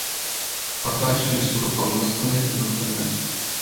خاتا چۈشىنىش بولۇپ قالماسلىقىنى ئۈمىد قىلىمەن.